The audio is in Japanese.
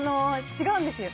違うんですよ。